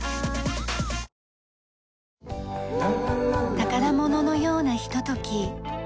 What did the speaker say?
宝物のようなひととき。